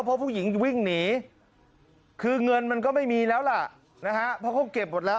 เพราะผู้หญิงวิ่งหนีคือเงินมันก็ไม่มีแล้วล่ะนะฮะเพราะเขาเก็บหมดแล้ว